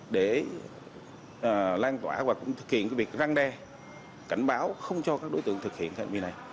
để lan tỏa và thực hiện việc răng đe cảnh báo không cho các đối tượng thực hiện việc này